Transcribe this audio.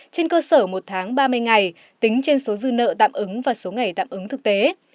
trên cơ sở một tháng ba mươi ngày tính trên số dư nợ tạm ứng và số ngày tạm ứng thực tế